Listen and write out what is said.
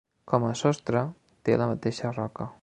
Com a sostre té la mateixa roca.